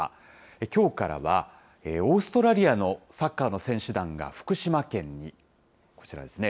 きょうからは、オーストラリアのサッカーの選手団が福島県に、こちらですね。